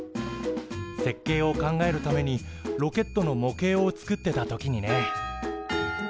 設計を考えるためにロケットの模型を作ってた時にね。